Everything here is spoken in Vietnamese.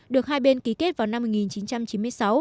được hai bên ký kết vào năm một nghìn chín trăm chín mươi sáu